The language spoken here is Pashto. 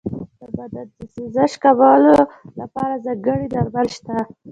د بدن د سوزش کمولو لپاره ځانګړي درمل شته.